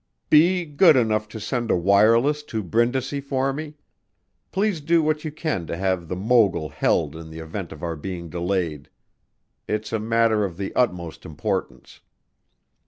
"Be good enough to send a wireless to Brindisi for me. Please do what you can to have the Mogul held in the event of our being delayed. It's a matter of the utmost importance."